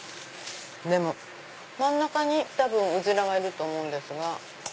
真ん中に多分ウズラがいると思うんですが。